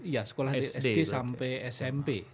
ya sekolah sd sampai smp